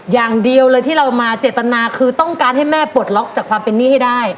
อย่างเดียวเลยที่เรามาเจตนาคือต้องการให้แม่ปลดล็อกจากความเป็นหนี้ให้ได้